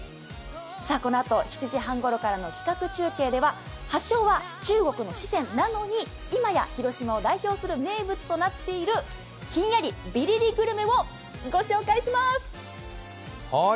このあと７時半ごろからの企画中継では発祥は中国の四川なのに、今や広島を代表する名物になっているひんやりビリリグルメをご紹介します。